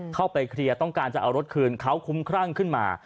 เข้าไปเคลียร์ต้องการจะเอารถคืนเขาคุ้มครั่งขึ้นมา